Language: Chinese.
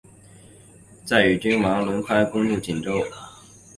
再与诸王轮番围攻锦州。